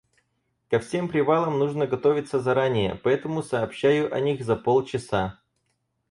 Ко всем привалам нужно готовиться заранее, поэтому сообщаю о них за полчаса.